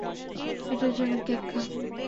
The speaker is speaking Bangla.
এটার জন্য, কেক খা।